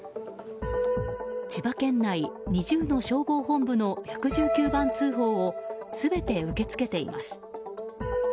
千葉県内２０の消防本部の１１９番通報を全て受け付けています。